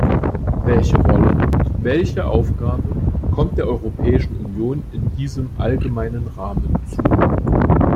Welche Rolle, welche Aufgabe kommt der Europäischen Union in diesem allgemeinen Rahmen zu?